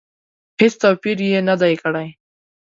هېڅ توپیر یې نه دی کړی.